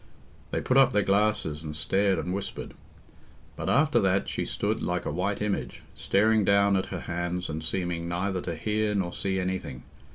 They put up their glasses, and stared and whispered. But after that she stood like a white image, staring down at her hands and seeming neither to hear nor see anything.